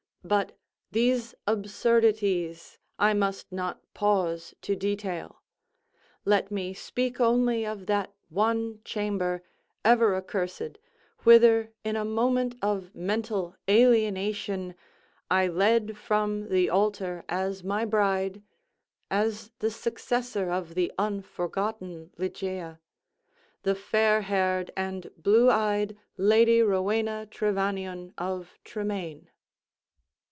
But these absurdities I must not pause to detail. Let me speak only of that one chamber, ever accursed, whither in a moment of mental alienation, I led from the altar as my bride—as the successor of the unforgotten Ligeia—the fair haired and blue eyed Lady Rowena Trevanion, of Tremaine.